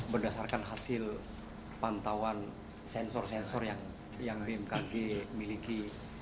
berdasarkan hasil pantauan sensor sensor yang bmkg miliki